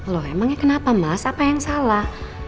loh emangnya kenapa mas apa yang salah